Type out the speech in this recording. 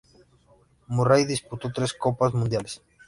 Murray disputó tres Copas Mundiales.